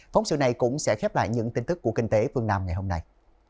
phóng sự này cũng sẽ khép lại những tin tức của kinh tế phương nam ngày hôm nay